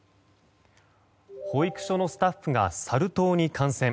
保育所のスタッフがサル痘に感染。